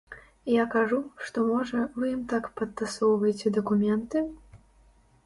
Я кажу, што, можа, вы ім так падтасоўваеце дакументы?